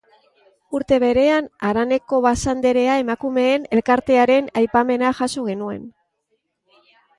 Urte berean, haraneko Basanderea emakumeen elkartearen aipamena jaso genuen.